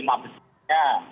dirangka aja ini afiliasinya